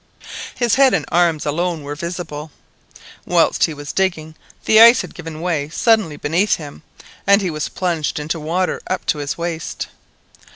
His head and arms alone were visible. Whilst he was digging, the ice had given way suddenly beneath him, and he was plunged into water up to his waist.